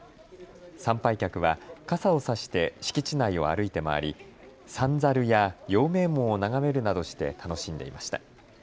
参拝客は傘を差して敷地内を歩いて回り三猿や陽明門を眺めるなどして楽しんでいました。